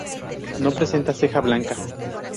No presenta ceja blanca.